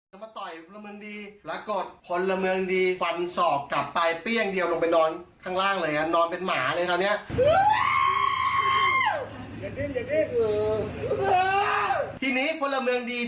การป้องกันตัวป้องกันตัวของตนหรือของผู้อื่น